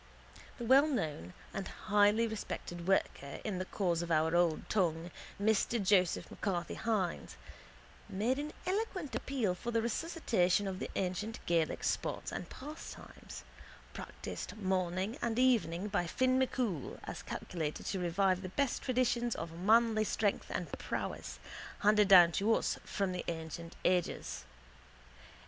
The wellknown and highly respected worker in the cause of our old tongue, Mr Joseph M'Carthy Hynes, made an eloquent appeal for the resuscitation of the ancient Gaelic sports and pastimes, practised morning and evening by Finn MacCool, as calculated to revive the best traditions of manly strength and prowess handed down to us from ancient ages.